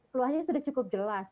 keluhannya sudah cukup jelas